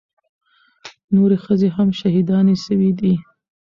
نورې ښځې هم شهيدانې سوې دي.